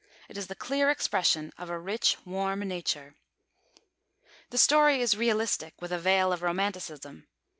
It is the clear expression of a rich, warm nature. The story is realistic, with a veil of Romanticism.